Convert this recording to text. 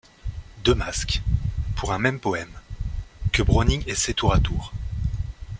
Deux masques, pour un même poème, que Browning essaie tour à tour.